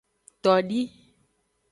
Todi.